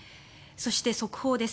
そして、速報です。